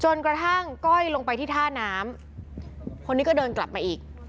กระทั่งก้อยลงไปที่ท่าน้ำคนนี้ก็เดินกลับมาอีก